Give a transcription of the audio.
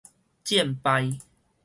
戰敗